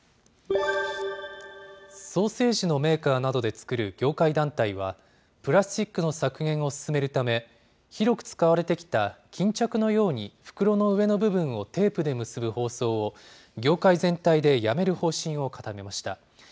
ソーセージのメーカーなどで作る業界団体は、プラスチックの削減を進めるため、広く使われてきた巾着のように袋の上の部分をテープで結ぶ包装を業界全体でやめる方針を固めました。